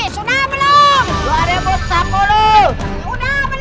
dua ribu empat belas sudah belum